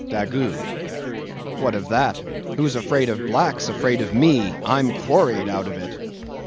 DAGGOO. What of that? Who's afraid of black's afraid of me! I'm quarried out of it!